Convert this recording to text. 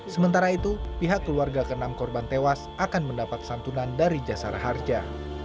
sementara itu pihak keluarga ke enam korban tewas akan mendapat santunan dari jasara harja